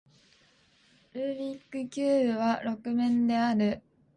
ルービックキューブは六面である